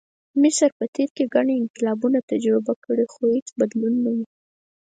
مصر په تېر کې ګڼ انقلابونه تجربه کړي، خو هېڅ بدلون نه و.